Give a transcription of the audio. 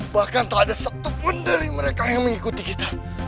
bahkan tak ada satu penderi mereka yang mengikuti kita